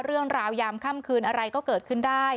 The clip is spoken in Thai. ยามค่ำคืนอะไรก็เกิดขึ้นได้